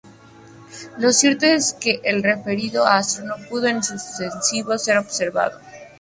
Lo cierto es que el referido astro no pudo en lo sucesivo ser observado.